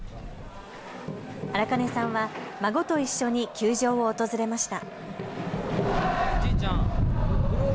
荒金さんは孫と一緒に球場を訪れました。